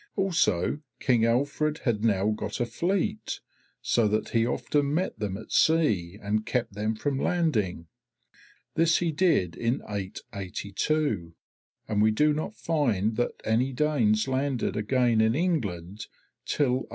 Also King Alfred had now got a fleet, so that he often met them at sea and kept them from landing. This he did in 882, and we do not find that any Danes landed again in England till 885.